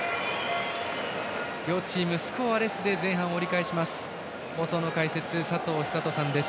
両チームスコアレスで前半を折り返します。